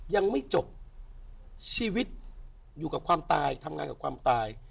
ยังไม่จบชีวิตอยู่กับความตายทำงานกับความตาย